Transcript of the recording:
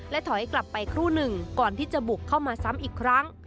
ถอยกลับไปครู่หนึ่งก่อนที่จะบุกเข้ามาซ้ำอีกครั้ง